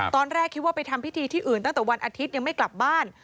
ตอนแรกคิดว่าไปทำพิธีที่อื่นตั้งแต่วันอาทิตย์ยังไม่กลับบ้าน